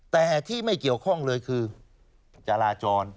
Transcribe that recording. แต่ที่ไม่เกี่ยวข้องเลยคือจราจร